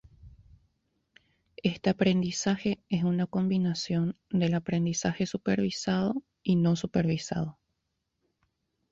Este aprendizaje es una combinación del aprendizaje supervisado y no supervisado.